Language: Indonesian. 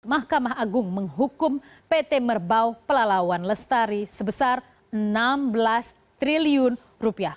mahkamah agung menghukum pt merbau pelalawan lestari sebesar enam belas triliun rupiah